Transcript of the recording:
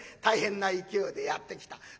大変な勢いでやって来た。